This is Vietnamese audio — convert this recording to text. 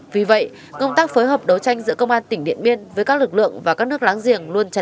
vì vậy công tác phối hợp đấu tranh giữa công an tỉnh điện biên với các lực lượng và các nước láng giá